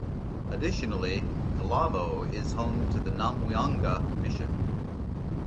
Additionally, Kalomo is home to the Namwianga Mission.